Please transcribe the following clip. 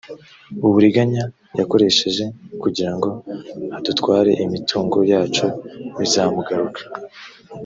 uburiganya yakoresheje kugirango adutware imitungo yacu bizamugaruka